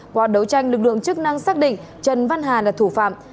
qua đấu tranh lực lượng chức năng xác định trần văn hà là thủ phạm